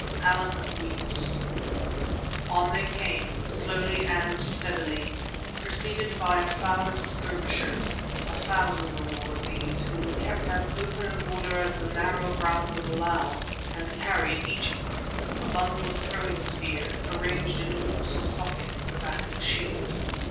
ALLAN WEEPS On they came, slowly and steadily, preceded by a cloud of skirmishers—a thousand or more of these—who kept as open an order as the narrow ground would allow and carried, each of them, a bundle of throwing spears arranged in loops or sockets at the back of the shield.